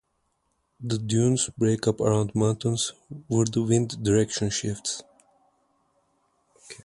The dunes break up around mountains, where the wind direction shifts.